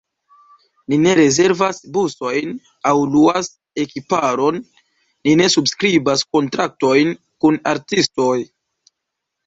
Ni ne rezervas busojn aŭ luas ekiparon, ni ne subskribas kontraktojn kun artistoj.